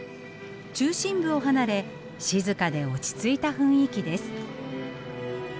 中心部を離れ静かで落ち着いた雰囲気です。